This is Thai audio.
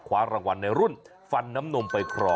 คว้ารางวัลในรุ่นฟันน้ำนมไปครอง